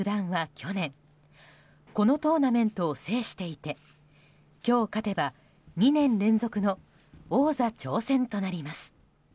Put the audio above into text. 去年このトーナメントを制していて今日勝てば２年連続の王座挑戦となります。